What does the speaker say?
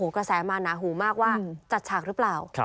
กระแสมาหนาหูมากว่าจัดฉากหรือเปล่า